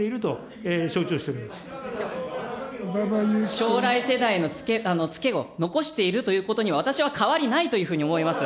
将来世代の付けを残しているということには私は変わりないというふうに思います。